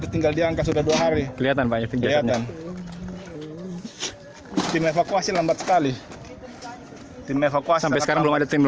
ketinggal diangkat sudah dua hari kelihatan banyak kelihatan